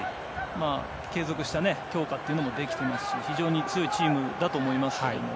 継続した強化というのもできていますし非常に強いチームだと思いますけれども。